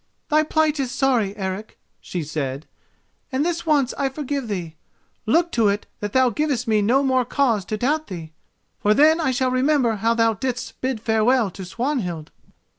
"Thy plight is sorry, Eric," she said, "and this once I forgive thee. Look to it that thou givest me no more cause to doubt thee, for then I shall remember how thou didst bid farewell to Swanhild."